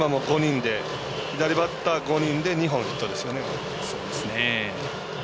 左バッター５人で２本ヒットですよね。